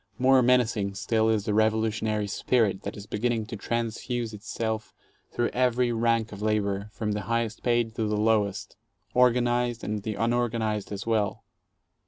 More menacing still is the revolutionary spirit that is beginning to transfuse itself through every rank of labor, from the highest paid to the lowest, organized and the unorganized as well.